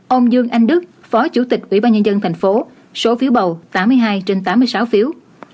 bốn ông dương anh đức phó chủ tịch ủy ban nhân dân tp số phiếu bầu tám mươi hai trên tám mươi sáu phiếu